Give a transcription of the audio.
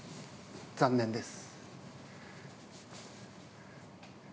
・残念です。